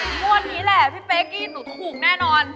งวดนี้มันแพ้ฟากี้หนูโหดแน่นอน